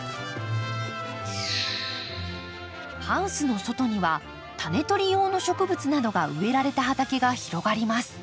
ハウスの外にはタネとり用の植物などが植えられた畑が広がります。